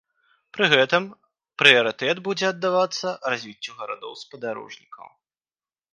Пры гэтым прыярытэт будзе аддавацца развіццю гарадоў-спадарожнікаў.